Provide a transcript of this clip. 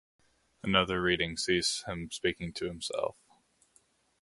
Another reading sees him speaking to himself.